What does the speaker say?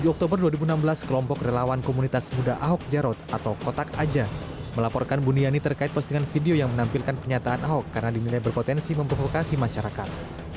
tujuh oktober dua ribu enam belas kelompok relawan komunitas muda ahok jarot atau kotak aja melaporkan buniani terkait postingan video yang menampilkan pernyataan ahok karena dinilai berpotensi memprovokasi masyarakat